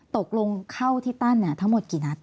ตกลงเข้าที่ตั้นทั้งหมดกี่นัด